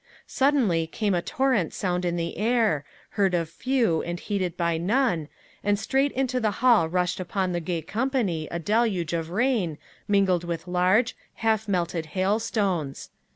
Suddenly came a torrent sound in the air, heard of few and heeded by none, and straight into the hall rushed upon the gay company a deluge of rain, mingled with large, half melted hail stones.